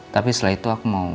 tapi setelah itu aku mau